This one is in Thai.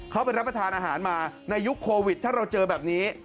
เขาไปรับประทานอาหารมาในยุคโควิดถ้าเราเจอแบบนี้